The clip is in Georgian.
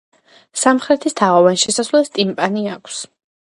სამხრეთის თაღოვან შესასვლელს ტიმპანი აქვს.